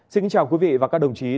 xin chào quý vị và các đồng chí đến với